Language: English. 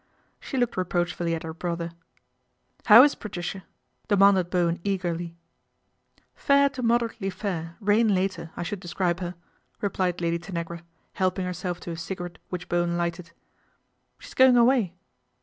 She looked reproachfully at her brother. " How's Patricia ?" demanded Bowen eagerly. " Fair to moderately fair, rain later, I should describe her," replied Lady Tanagra, helping her self to a cigarette which Bowen lighted. " She's going away."